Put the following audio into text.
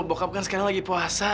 bokap kan sekarang lagi puasa